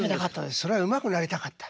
それはうまくなりたかった。